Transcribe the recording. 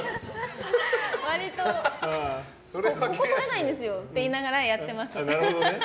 ここ取れないんですよって言いながらやってます。